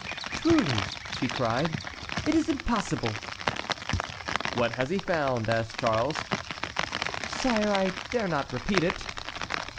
"Truly," she cried, "it is impossible!" "What has he found?" asked Charles. "Sire, I dare not repeat it."